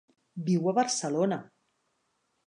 Viu a Barcelona.